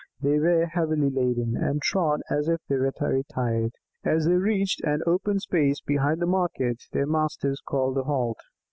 They were heavily laden, and trod as if they were very tired. As they reached an open space behind the market their masters called a halt.